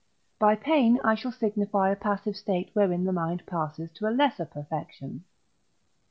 By pain I shall signify a passive state wherein the mind passes to a lesser perfection.